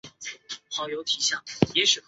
父亲是伊达持宗。